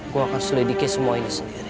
gue akan selidiki semua ini sendiri